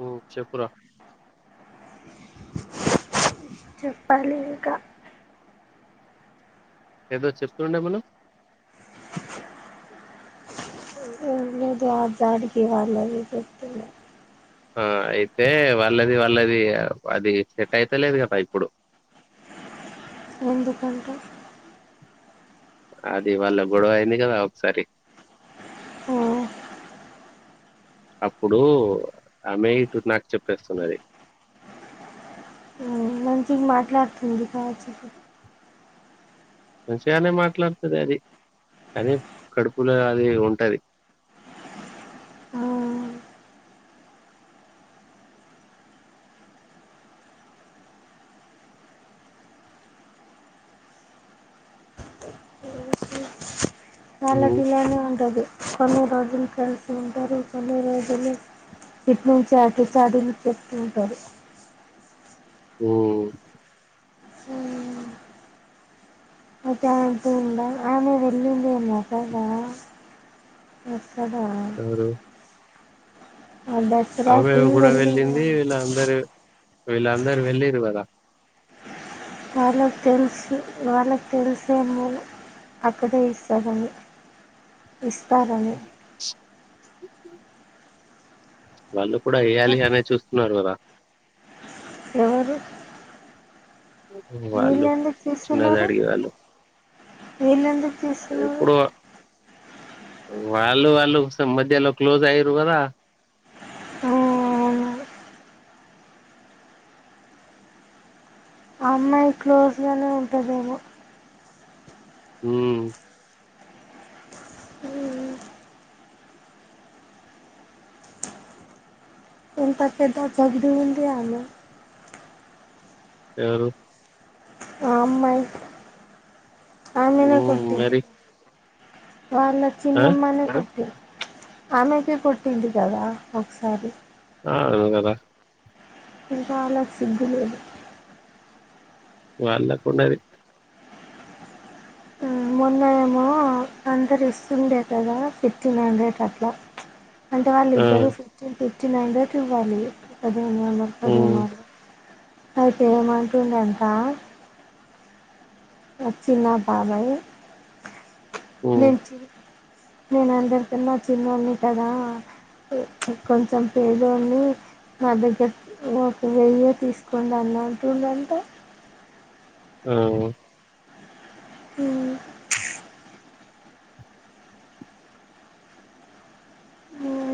మ్ చెప్పురా చెప్పాలి ఇంకా ఏదో చెప్తుండే మనం ఏం లేదు ఆ జాడికి వాళ్ళవి చెప్తున్నా ఆ అయితే వాళ్ళది వాళ్ళది అది సెట్ అయితే లేదు కదా ఇప్పుడు ఎందుకంట అది వాళ్ళ గొడవ అయింది కదా ఒకసారి ఆ, అప్పుడు ఆమె ఇటు నాకు చెప్పేస్తున్నది మంచి గ మాట్లాడుతుంది గ చెప్పు మంచిగానే మాట్లాడుతది అది కానీ కడుపులో అది ఉంటది ఆ... వాళ్ళకి ఉమ్ ఇలానే ఉంటది కొన్ని రోజులు కలిసి ఉంటారు కొన్ని రోజులు ఇట్నుంచి అటు చాడీలు చెపుతుంటారు మ్మ్ ఆ, అయితే ఆంటీ ఉందా ఆమె వెళ్ళిందేమో కద కదా ఎవరు ఆ ఆమె దసరాకి గూడ వెళ్ళింది వీళ్ళు అందరు ఇలా అందరు వెళ్ళిరు కదా వాళ్ళకి తెలుసు వాళ్ళకి తెలిసేమో అక్కడే ఇస్తారని ఇస్తారని వాళ్ళు కూడా ఎయ్యాలి అనే చూస్తున్నారు కదా ఎవరు వాళ్ళు వీళ్ళు ఎందుకు చిన్న తీస్తున్నారు జాడికి వాళ్ళు వీళ్ళు ఎందుకు తీస్తున్నారు ఎప్పుడు వాళ్ళు వాళ్ళు సం మధ్యలో క్లోజ్ అయ్యరు గదా ఆ ఆ అమ్మాయి క్లోజ్ గానే ఉంటదేమో హ్మ్ ఉమ్, ఇంత పెద్ద జగీడి ఉంది ఆమె ఎవరు ఆ అమ్మాయి ఆమెనే హ్మ్. కొట్టింది మరి. వాళ్ళ ఆ! చిన్నమ్మనే కొట్టి ఆమెకే కొట్టింది కదా ఒకసారి ఆ అవును గదా ఇంకా నాకు సిగ్గు లేదు వాళ్లకి ఉన్నది మొన్న ఏమో అందరు ఇస్తుండే కదా ఫిఫ్టీన్ హండ్రెడ్ అట్లా అంటే వాళ్ళ ఆ! ఇద్దరు ఫిఫ్టీన్ ఫిఫ్టీన్ హండ్రెడ్ ఇవ్వాలి పదిహేన్ వందల్ పదిహేన్ హ్మ్. వందల్ అయితే ఏమంటుంది అంట వ చిన్న బాబాయ్ హ్మ్. నేను నేన అందరి కన్నా చిన్నోనీ కదా కొంచెం పేదోన్ని నా దగ్గర ఒక వెయ్యి తీసుకోండి అని అంటుండంట ఆ హ్మ్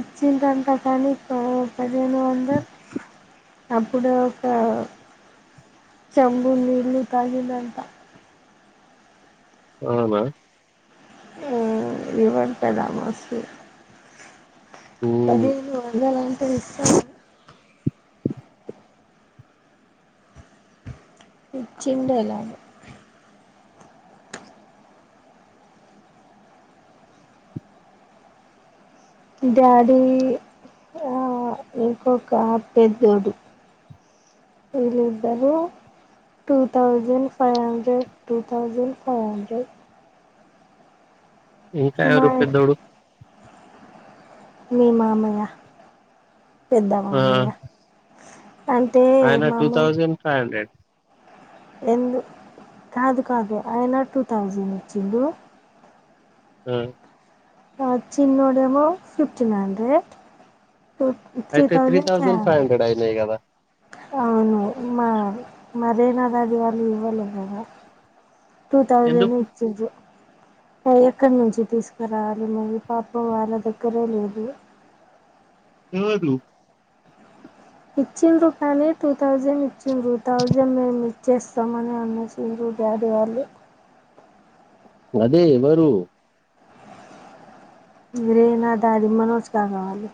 ఇచ్చిందంట కానీ ప పదిహేను వందలు అప్పుడు ఒక చెంబు నీళ్ళు తాగిందంట అవునా ఇవంత దామసు హ్మ్. పదిహేను వందలంటే ఇస్తం ఇచ్చిందెలాగో డాడీ ఇంకొక పెద్దోడు వీళ్ళిద్దరూ two thousand five hundred two thousand five hundred ఇంకా మా ఎవరు పెద్దోడు మీ మామయ్య పెద్ద ఆ! మామయ్య అంటే ఆయన మాము ఎందు కాదు కాదు అయినా టూ థౌజండ్ ఇచ్చిండు హ్మ్ ఆ చిన్నోడేమో ఫిఫ్టీన్ హండ్రెడ్ టూ త్రీ అయితే థౌసండ్ ఫైవ్ హండ్రెడ్ అయినాయి గదా! అవును మరి మా రేనా దాది వాళ్ళు ఇవ్వలే కదా టూ తౌజండ్ ఎందుకు? ఇచ్చిండ్రు అయి ఎక్కడి నుంచి తీసుకురావాలి మరి పాపం వాళ్ళ దగ్గరే లేదు నువ్వు ఎటు ఇచ్చిరు కానీ టూ థౌజండ్ ఇచ్చిరు థౌజండ్ మే ఇ ఇచ్చేస్తా మని అన్న చూడు డాడీ వాళ్ళు అదే ఎవరు మీరేనా దాది మనోజ్ కాకా వాళ్ళు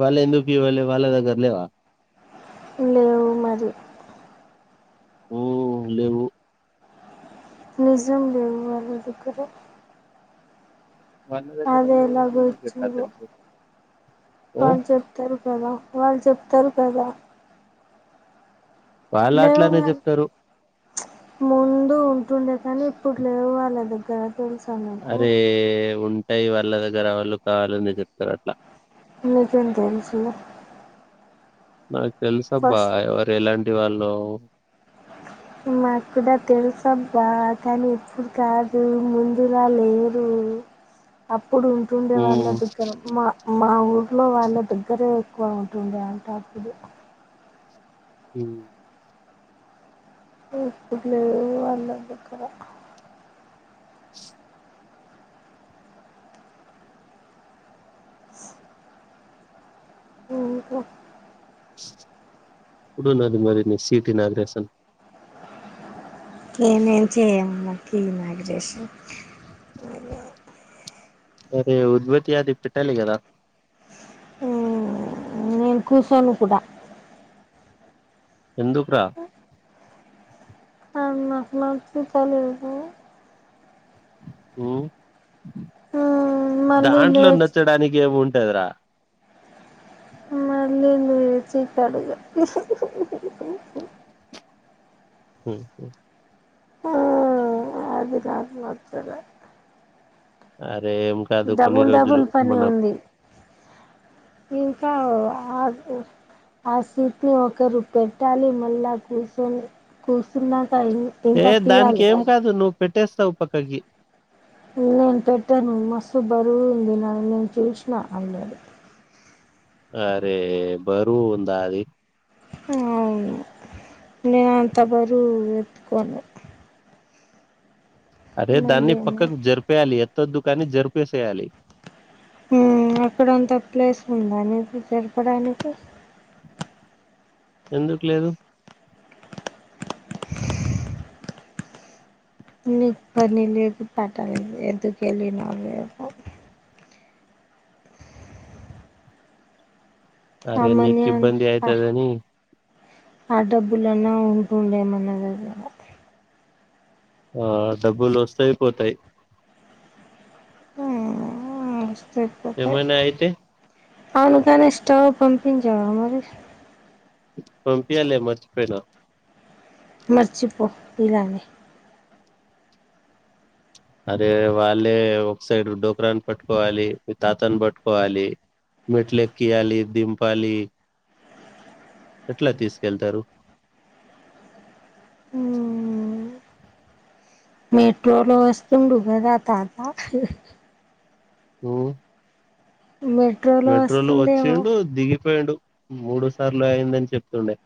వాళ్ళు ఎందుకివ్వాలి వాళ్ళ దగర్లేవా లేవు మరి హ్మ్ లేవు నిజం లేవు వాళ్ళదగ్గర వాళ్ళ దగ్గర అది లేవని ఎలాగో నీకెట్లా ఇచ్చిండ్రు తెలుసు? ఆ! వాళ్ళు చెప్తారు కదా వాళ్ళు చెప్తారు కదా వాళ్ళట్లానే లేవని జెప్తారు. ముందు ఉంటుండే కానీ ఇప్పుడు లేవు వాళ్ళ దగ్గర తెలుసా నీకు అరే ఉంటాయి వాళ్ళ దగ్గర వాళ్ళు కావాలని చెప్తారు అట్లా నీకేం తెలుసు నాకు తెలుస అబ్బా ఫస్ట్ ఎవరు ఎలాంటి వాళ్ళో మాకు కూడా తెలుసబ్బా కానీ ఇప్పుడు కాదు ముందులా లేరూ అప్పుడు ఉంటుండే వాళ్ళ ఉమ్ దగ్గర మా మా ఊర్లో వాళ్ళ దగ్గరే క్కువ ఉంటుండే అంటే అప్పుడు హ్మ్ ఇప్పు లే వాళ్ళ దగ్గర ఇంకా ఇప్పుడు నాది మరి సీట్ ఇనాగరేషన్ ఏ నేం చేయను. మాగ్ గ్రేషన్ అరే ఉద్భతి అది పెట్టాలి కదా నేను కూర్చోను కూడా ఎందుకు మాకు మస్తు పనుంటాయి ఉ మళ్ళీ దాంట్లో లేచి నచ్చడానికి ఏమింట రా మళ్ళీ విచితడు గా హు హమ్ ఆ డబుల్ డబుల్ పని ఉంది ఈ ఆగు ఆ సూట్ని ఒకరు పెట్టాలి మళ్ళా కూసోని కూసున్న ఏ దానికి ఏం కాదు నువు పెట్టేస్తావు పక్కకి నేను పెట్టాను మస్సు బరువు ఉంది నని నేను చూసిన అన్నాడు అరే బరుందాది హా నేను అంత బరువెంతుకోను అరే దాన్ని పక్కకు జరిపేయాలి ఎంతో దుః కానీ జరిపేసేయాలి హు అక్కడంత ప్లేస్ ఉందా నీది జరపడానికి ఎందుకు లేదు నీకు పని లేదు పాటలేదు ఎందుకు ఏలిన్నావ్ లేపు అరే అమన నీకు ఇబ్బంది అయితదని ఆ డబ్బులున్నా ఉంటుండే మన దగ్గర ఆ డబ్బులు వస్తాయి పోతాయి వస్తాయి పోతాయి ఏమైనా అయితే అవునుకానే స్టవ పంపి జవా అ మరి పంపియాల మర్చిపోయిన మరిచిపో ఇలానే అదే వాళ్ళే ఒక సైడ్ డోకరాని పట్టుకోవాలి తాతను పట్టుకోవాలి మిట్లేక్కియాలి దింపాలి ఎట్లా తీసుకెళ్తారు మెట్రోలో వస్తు బద అత ఆ మెట్రోలో మెట్రో లో వస్తుండేమో వచ్చిండు దిగి చెప్పేడు మూడు సార్లు అయిందని చెప్తుండే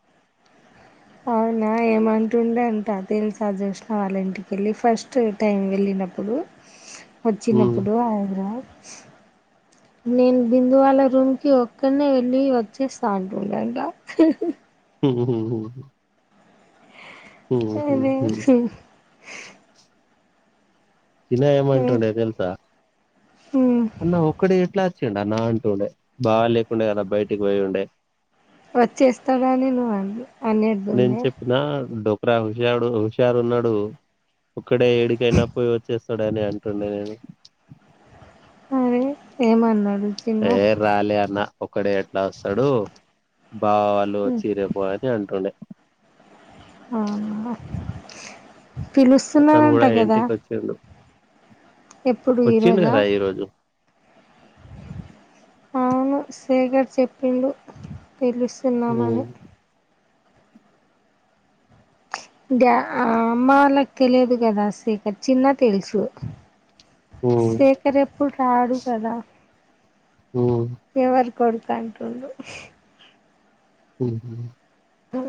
అవునా ఏమంటుండే అంట తెలుసా జోష్ణ వాళ్ళ ఇంటిక వెళ్ళి ఫస్ట్ టైం వెళ్ళి న్నప్పుడు [unintelligible] వచ్చినప్పుడు హైదరాబాద్ [unintelligible] నీన్ బిందువాళ్ళ రూమ్కి ఒక్కడనే వెళ్ళి వచ్చేస్తా అంటుండంట హిహిహి హుహుహు అనే ఉమ్. చినయమ అంటండే తెల్సా అన్న ఒకక్కడ ఎట్లా చిన్ననా అంట్టుండే బాలేకుండే కదా బయటికి పోయిండే వచ్చేస్తాడనే నోది అన్నదుండే అడ హుషారు హుషారు ఉన్నాడు ఒక్కడే ఏడికైనా పోయి వ స్తాడ అని అంటుండే నేను అరే ఏమన్నాడు చిన్న ఏ రాలే అన్న ఒకడ ఎట్లా వస్తాడు బావాళ్ళు వచ్చి రేపుపో అని అంటెంటుడే ఆహా పిల్లుస్తునారు అతను అంట కూడా కదా ఇంటికి వచ్చిండు ఎప్పుడు వచ్చిండు ఈరోజా కదా ఈరోజు అవును శ్రీధర్ చెప్పిండు పిలుస్తున్నామని ఆ అమ్మ లక్క లేదు కదా శేఖర్ చిన్న తెలుసు మ్మ్ శేఖర్ ఎప్పుడు రాడు కదా ఉ కొడుకంట్టుండు హ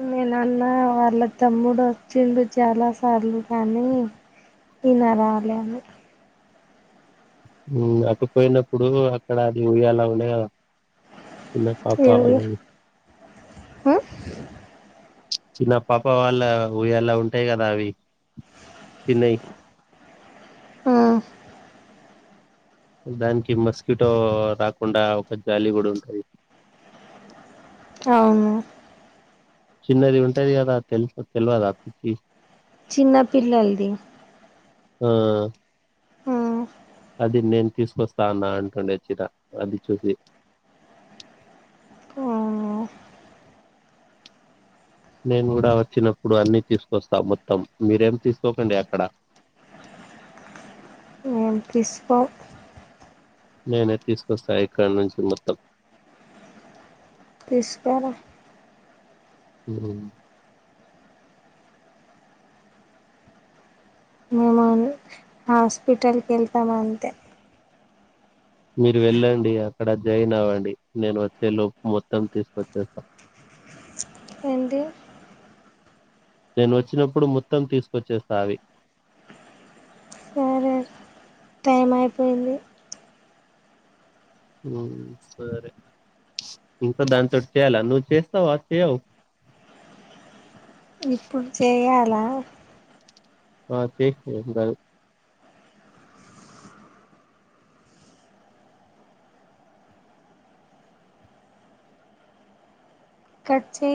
మీ నాన్న వాళ్ళ తమ్ముడొచ్చిండు చాలా సార్లు కానీ నిన్న రాలేదు అకపోయినప్పుడు అక్కడ అది ఉయలా ఉన్నాయి చిన్న కాపావాలే హ చిన్న పాప వాళ్ళ ఉయ్యాల ఉంటాయి కదా అవి చిన్నవి ఆ దానికి మస్కటో రాకుండా ఒక జాలి కూడా ఉంటుంది అవును చిన్నది ఉంటది కదా తెలుసు తెల్వదా పిచ్చి చిన్న పిల్లలది హా ఉమ్ అది నేను తీసుకొస్తా అన్నా అంటుండే చిరా అది చూసి అవును నీను కూడా వచ్చినప్పుడు అన్ని తీసుకొస్తా మొత్తం మీరేం తీసుకోకండి అక్కడ మేము తీసుకోం నీనే తీసుకొస్తా ఇక్కడ నుంచి మొత్తం తీసుకరా అ మీమందే హాస్పిటల్కి హాస్పిటల్ కేల్తమంతే మీరు వెళ్ళండి అక్కడ జయిన్ అవ్వండి నేను వచ్చే లోపు మొత్తం తీసుకొచ్చేస్తా ఏంది నీను వచ్చినప్పుడు మొత్తం తీసుకొచ్చేస్తా అవి సరే టైం అయిపోయేది హు సరే ఇకా దాని చోటి చేయాలా నువ్వు చేస్తావ అ చెయ్యవు ఇప్పుడు చేయాలా ఆ చై [unintelligible] కట్చే